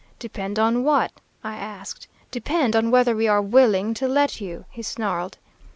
"'Depend on what?' I asked. "'Depend on whether we are willing to let you,' he snarled.